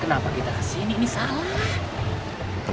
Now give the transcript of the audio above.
kenapa kita kesini ini salah